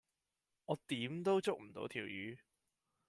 我點都捉唔到條魚